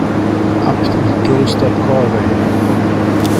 Abt im Kloster Corvey.